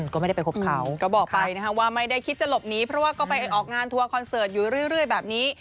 ก็บอกไปว่าไม่ได้คิดจะหลบนี้เพราะว่าก็ไปออกงานทัวร์คอนเสิร์ตอยู่เรื่อยแบบนี้